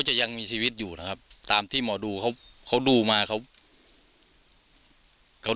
จะยังมีชีวิตอยู่นะครับตามที่หมอดูเขาเขาดูมาเขา